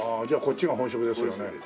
じゃあこっちが本職ですよね。